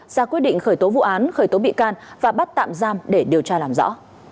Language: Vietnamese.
ra quyết định khởi tố vụ án khởi tố bị can và bắt tạm giam để điều tra làm rõ